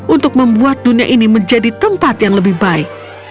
untuk membuat dunia ini menjadi tempat yang lebih baik